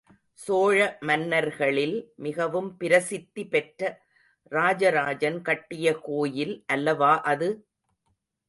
சோழ மன்னர்களில் மிகவும் பிரசித்தி பெற்ற ராஜராஜன் கட்டிய கோயில் அல்லவா அது?